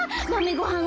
ごはん